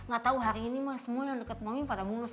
gak tahu hari ini mah semua yang dekat maunya pada mulus